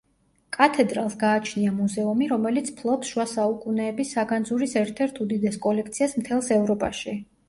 კათედრალს გააჩნია მუზეუმი, რომელიც ფლობს შუა საუკუნეების საგანძურის ერთ-ერთ უდიდეს კოლექციას მთელს ევროპაში.